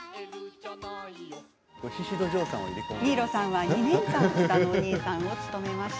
新納さんは、２年間うたのおにいさんを務めました。